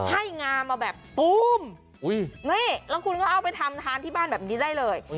ให้งามาแบบตู้มนี่แล้วคุณก็เอาไปทำทานที่บ้านแบบนี้ได้เลย